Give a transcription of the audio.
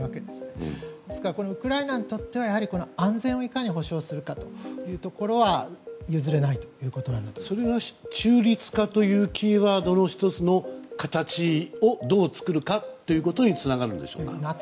ですから、ウクライナにとっては安全をいかに保障するかというところは譲れないと。それが中立化というキーワードの１つの形をどう作るかということにつながるんでしょうか。